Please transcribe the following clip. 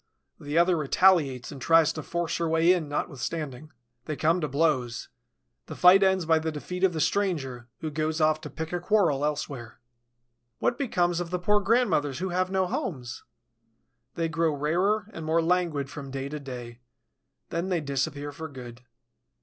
The other retaliates and tries to force her way in notwithstanding. They come to blows. The fight ends by the defeat of the stranger, who goes off to pick a quarrel elsewhere. What becomes of the poor grandmothers who have no homes? They grow rarer and more languid from day to day; then they disappear for good.